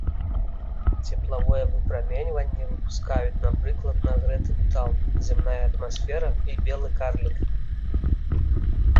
Цеплавое выпраменьванне выпускаюць, напрыклад, нагрэты метал, зямная атмасфера і белы карлік.